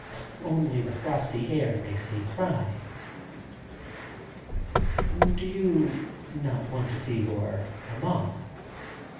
Only the frosty air makes me cry." "Do you not want to see your mamma?"